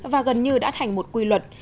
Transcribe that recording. và gần như đã thành một quy luật